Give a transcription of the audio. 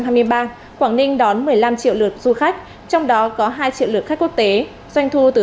năm hai nghìn hai mươi ba quảng ninh đón một mươi năm triệu lượt du khách trong đó có hai triệu lượt khách quốc tế doanh thu từ